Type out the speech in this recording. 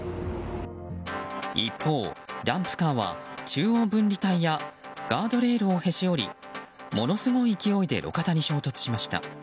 一方、ダンプカーは中央分離帯やガードレールをへし折りものすごい勢いで路肩に衝突しました。